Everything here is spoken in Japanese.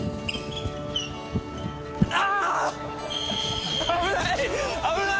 あ！